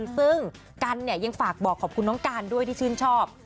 ซึ่งกันเนี่ยยังฝากบอกขอบคุณน้องการด้วยที่ชื่นชอบ